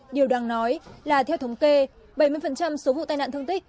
điều đáng nói là theo thống kê bảy mươi số vụ tai nạn thương tích